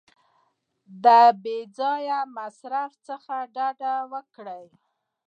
د بې ځایه مصرف څخه ډډه وکړئ.